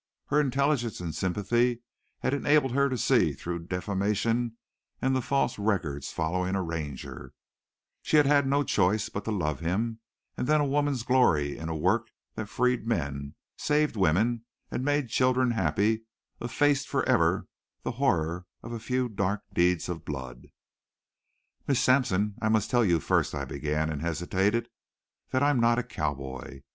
Her intelligence and sympathy had enabled her to see through defamation and the false records following a Ranger; she had had no choice but to love him; and then a woman's glory in a work that freed men, saved women, and made children happy effaced forever the horror of a few dark deeds of blood. "Miss Sampson, I must tell you first," I began, and hesitated "that I'm not a cowboy.